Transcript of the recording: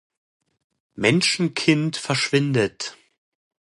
Menschenkind verschwindet.